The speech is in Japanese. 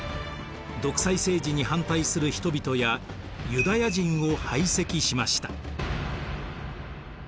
独裁政治に反対する人々やユダヤ人を排斥しました。